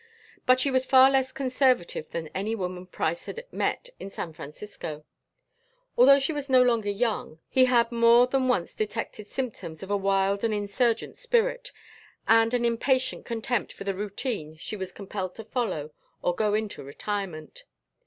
But she was far less conservative than any woman Price had met in San Francisco. Although she was no longer young he had more than once detected symptoms of a wild and insurgent spirit, and an impatient contempt for the routine she was compelled to follow or go into retirement.